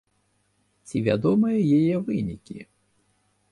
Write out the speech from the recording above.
Ці вядомыя яе вынікі?